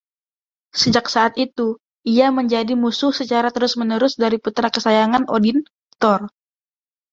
Sejak saat itu ia menjadi musuh secara terus menerus dari putra kesayangan Odin, Thor.